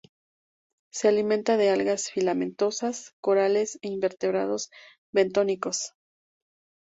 Se alimenta de algas filamentosas, corales e invertebrados bentónicos.